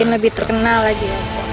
mungkin lebih terkenal lagi ya